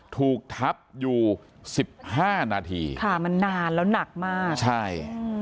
ถูกทับอยู่สิบห้านาทีค่ะมันนานแล้วหนักมากใช่